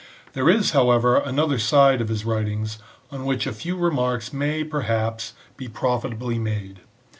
There is, however, another side of his writings on which a few remarks may, perhaps, be profitably made.